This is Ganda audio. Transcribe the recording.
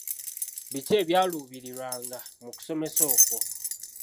Biki ebyaluubirirwanga mu kusomesa okwo?